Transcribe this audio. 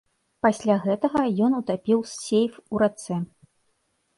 Пасля гэтага ён утапіў сейф ў рацэ.